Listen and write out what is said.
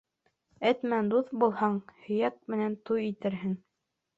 Эт менән дуҫ булһаң, һөйәк менән туй үткәрерһең.